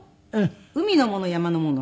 海のもの山のもの。